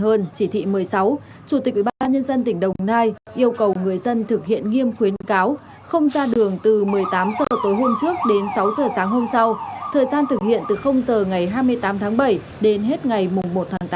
hơn chỉ thị một mươi sáu chủ tịch ubnd tỉnh đồng nai yêu cầu người dân thực hiện nghiêm khuyến cáo không ra đường từ một mươi tám h tối hôm trước đến sáu h sáng hôm sau thời gian thực hiện từ giờ ngày hai mươi tám tháng bảy đến hết ngày một tháng tám